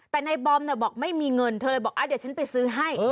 แต่นายบอมบอกไม่มีเงินเธอเลยบอกเดี๋ยวฉันไปซื้อให้